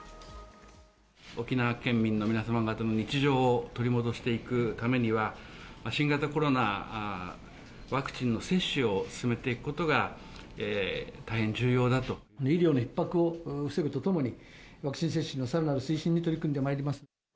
沖縄県民の皆様方の日常を取り戻していくためには、新型コロナワクチンの接種を進めていくことが、医療のひっ迫を防ぐとともに、ワクチン接種のさらなる推進に取り組んでまいります。